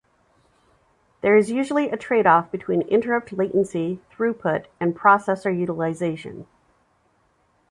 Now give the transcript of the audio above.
There is usually a trade-off between interrupt latency, throughput, and processor utilization.